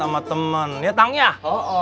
sama temen ya tau gak